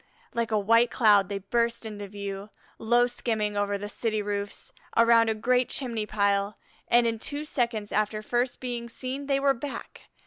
Like a white cloud they burst into view, low skimming over the city roofs, around a great chimney pile, and in two seconds after first being seen they were back.